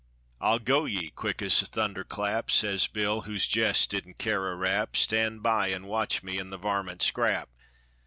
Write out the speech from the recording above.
"I'll go ye!" quick as a thunder clap Says Bill, who jest didn't care a rap; "Stan' by, an' watch me an' the varmint scrap."